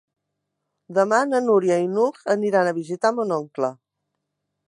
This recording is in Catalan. Demà na Núria i n'Hug aniran a visitar mon oncle.